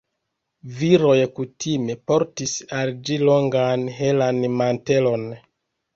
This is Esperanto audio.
Viroj kutime portis al ĝi longan helan mantelon.